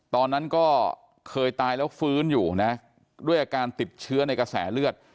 ตอนนั้นก็เคยตายแล้วฟื้นอยู่นะด้วยอาการติดเชื้อในกระแสเลือด